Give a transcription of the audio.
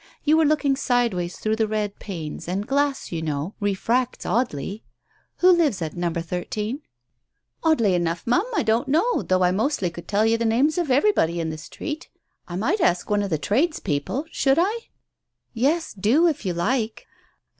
You were looking sideways through the red panes, and glass, you know, refracts oddly. ... Who lives at number thirteen ?" "Oddly enough, Ma'am, I don't know, though I mostly could tell you the navies of everybody in the street. I might ask one of the tradespeople — should I?" "Yes, do if you like.